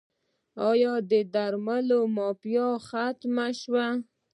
آیا د درملو مافیا ختمه شوه؟